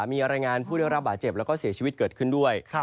มีรายงานผู้ได้รับบาดเจ็บแล้วก็เสียชีวิตเกิดขึ้นด้วย